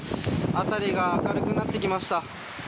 辺りが明るくなってきました。